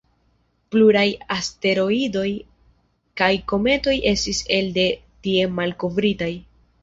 Pluraj asteroidoj kaj kometoj estis elde tie malkovritaj.